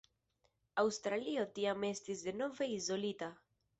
Aŭstralio tiam estis denove izolita.